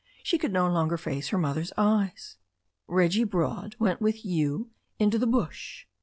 She could no longer face her mother's eyes. "Reggie Broad went with you into the bush